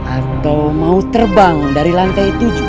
atau mau terbang dari lantai tujuh